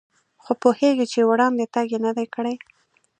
خو پوهېږي چې وړاندې تګ یې نه دی کړی.